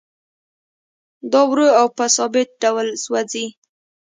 دا ورو او په ثابت ډول سوځي